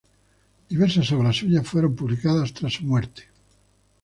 Diversas obras suyas fueron publicadas tras su muerte.